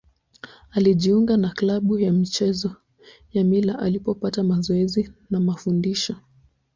Alijiunga na klabu ya michezo ya Mila alipopata mazoezi na mafundisho.